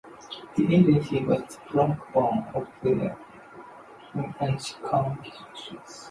The agency was the backbone of the regime's anti-communist actions.